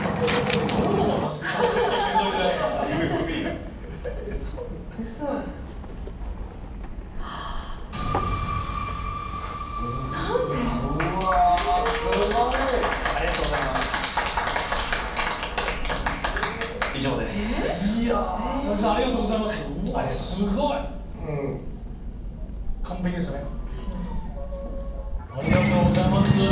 佐々木さんありがとうございます。